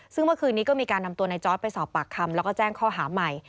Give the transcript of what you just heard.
ซึ่งเมื่อคืนนี้ก็มีการนำตัวนายจอร์ดไปสอบปากคำแล้วก็แจ้งข้อหาใหม่